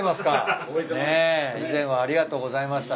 以前はありがとうございました。